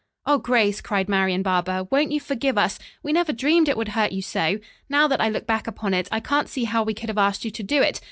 "Oh, Grace," cried Marian Barber, "won't you forgive us? We never dreamed it would hurt you so. Now that I look back upon it, I can't see how we could have asked you to do it.